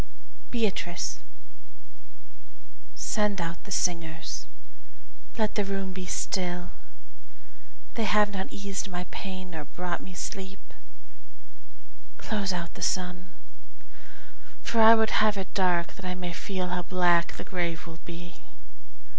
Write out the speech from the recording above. Beatrice Send out the singers let the room be still; They have not eased my pain nor brought me sleep. Close out the sun, for I would have it dark That I may feel how black the grave will be.